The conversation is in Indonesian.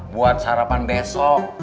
buat sarapan besok